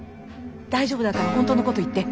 大丈夫だから本当のこと言って。